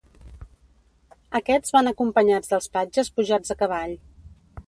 Aquests van acompanyats dels patges pujats a cavall.